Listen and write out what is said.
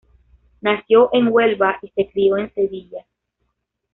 Nació en Huelva y se crió en Sevilla.